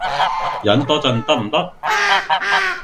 忍多陣得唔得